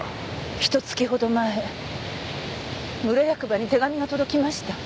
ひと月ほど前村役場に手紙が届きました。